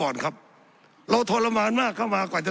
สับขาหลอกกันไปสับขาหลอกกันไป